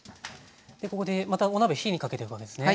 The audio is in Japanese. ここでまたお鍋火にかけていくわけですね。